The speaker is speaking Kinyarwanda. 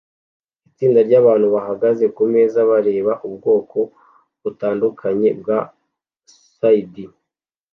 Itsinda ryabagabo bahagaze kumeza bareba ubwoko butandukanye bwa CD